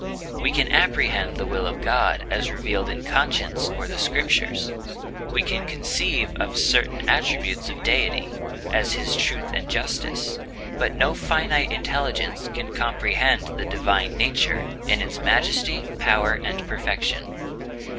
We can apprehend the will of God as revealed in conscience or the Scriptures; we can conceive of certain attributes of Deity, as his truth and justice; but no finite intelligence can comprehend the Divine Nature, in its majesty, power, and perfection.